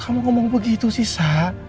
kamu ngomong begitu sih sa